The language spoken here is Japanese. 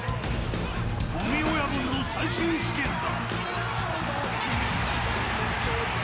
五味親分の最終試験だ。